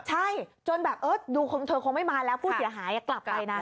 ใช่จนแบบดูเธอคงไม่มาแล้วผู้เสียหายกลับไปนะ